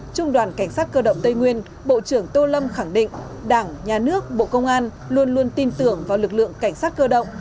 trung đoàn cảnh sát cơ động tây nguyên bộ trưởng tô lâm khẳng định đảng nhà nước bộ công an luôn luôn tin tưởng vào lực lượng cảnh sát cơ động